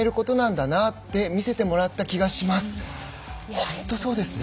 本当そうですね。